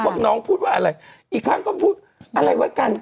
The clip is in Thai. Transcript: เพราะว่าน้องพูดว่าอะไรอีกครั้งก็พูดอะไรวะกัน